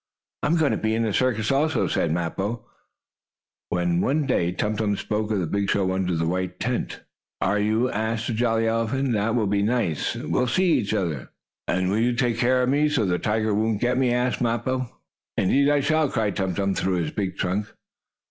"I am going to be in the circus, also," said Mappo, when one day Tum Tum spoke of the big show under the white tent. "Are you?" asked the jolly elephant. "That will be nice. We'll see each other." "And will you take care of me, so the tiger won't get me?" asked Mappo. "Indeed I shall!" cried Tum Tum through his big trunk.